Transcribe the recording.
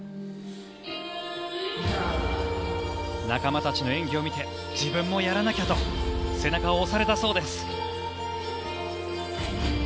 仲間たちの演技を見て自分もやらなきゃと背中を押されたそうです。